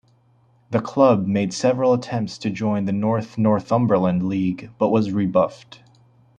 The club made several attempts to join the North Northumberland League but were rebuffed.